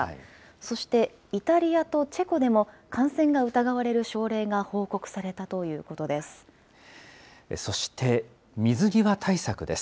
そしてイタリアとチェコでも、感染が疑われる症例が報告されたということです。